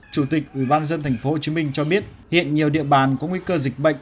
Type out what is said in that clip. chủ tịch ubnd tp hcm cho biết hiện nhiều địa bàn có nguy cơ dịch bệnh